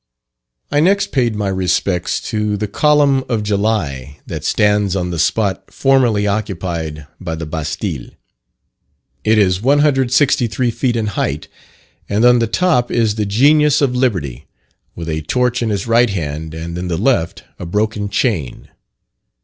I next paid my respects to the Column of July that stands on the spot formerly occupied by the Bastile. It is 163 feet in height, and on the top is the Genius of Liberty, with a torch in his right hand, and in the left a broken chain.